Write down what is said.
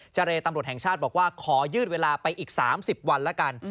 เจรตำรวจแห่งชาติบอกว่าขอยืดเวลาไปอีก๓๐วันแล้วกัน